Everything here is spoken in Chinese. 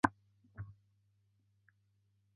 鹿八日虎爪等鹿皮手抄本上。